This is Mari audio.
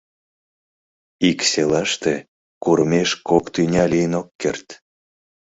Ик селаште курымеш кок тӱня лийын ок керт.